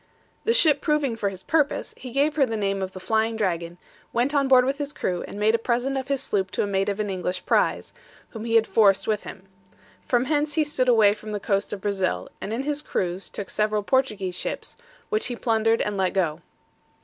The ship proving for his purpose, he gave her the name of the Flying Dragon, went on board with his crew, and made a present of his sloop to a mate of an English prize, whom he had forced with him. From hence he stood away for the coast of Brazil, and in his cruize took several Portuguese ships, which he plundered and let go.